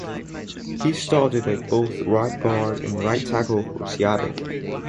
He started at both right guard and right tackle for Seattle.